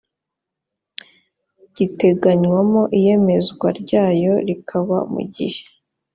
giteganywamo iyemezwa ryayo rikaba mu gihe